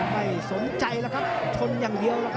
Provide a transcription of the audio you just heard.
ไม่สนใจแล้วชนอย่างเดียว